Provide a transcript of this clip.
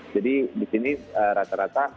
jadi di sini rata rata